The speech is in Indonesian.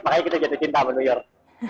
makanya kita jadi cinta sama new york